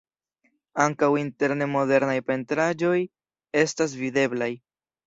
Ankaŭ interne modernaj pentraĵoj estas videblaj.